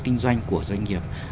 kinh doanh của doanh nghiệp